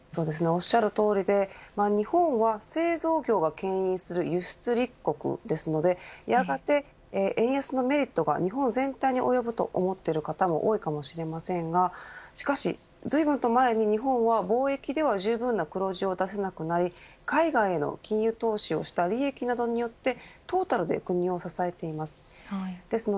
おっしゃるとおりで日本は製造業がけん引する輸出立国ですのでやがて円安のメリットが日本全体に及ぶと思っている方も多いかもしれませんがずいぶんと前に日本は貿易ではじゅうぶんな黒字を出せなくなり海外の金融投資をした利益などによってトータルで国を支えています。